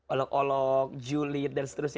olok olok julid dan seterusnya